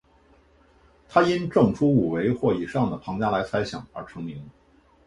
他因证出五维或以上的庞加莱猜想而成名。